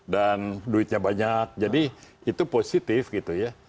dan duitnya banyak jadi itu positif gitu ya